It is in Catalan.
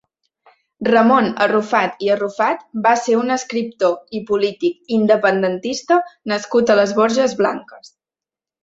Ramon Arrufat i Arrufat va ser un escriptor i polític independentista nascut a les Borges Blanques.